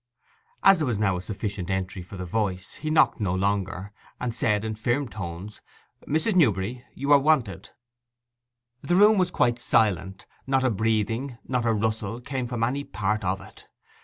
As there was now a sufficient entry for the voice, he knocked no longer, but said in firm tones, 'Mrs. Newberry, you are wanted.' The room was quite silent; not a breathing, not a rustle, came from any part of it.